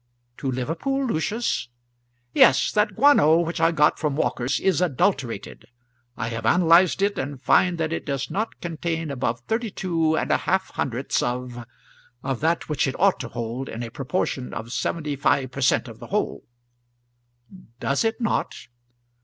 "To Liverpool, Lucius?" "Yes. That guano which I got from Walker is adulterated. I have analyzed it, and find that it does not contain above thirty two and a half hundredths of of that which it ought to hold in a proportion of seventy five per cent. of the whole." "Does it not?"